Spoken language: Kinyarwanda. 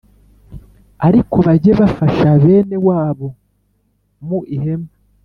Ariko bajye bafasha bene wabo mu ihema